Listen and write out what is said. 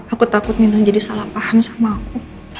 aku takut minum jadi salah paham sama aku